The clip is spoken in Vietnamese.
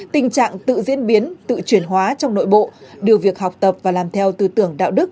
tình trạng tự diễn biến tự chuyển hóa trong nội bộ điều việc học tập và làm theo tư tưởng đạo đức